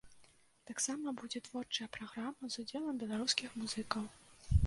Таксама будзе творчая праграма з удзелам беларускіх музыкаў.